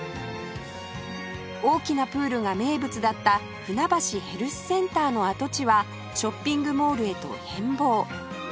大きなプールが名物だった船橋ヘルスセンターの跡地はショッピングモールへと変貌